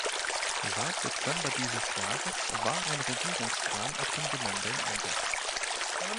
Seit Dezember dieses Jahres war ein Regierungskahn auf dem Gelände im Einsatz.